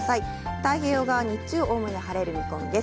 太平洋側、日中、おおむね晴れる見込みです。